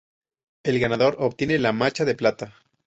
El ganador obtiene la Macha de Plata.